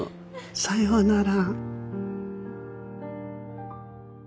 さようなら。